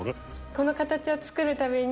この形を作るために？